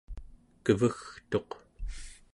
kevegtuq